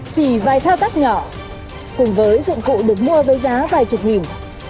chỉ vài thao tác nhỏ cùng với dụng cụ được mua với giá vài chục nghìn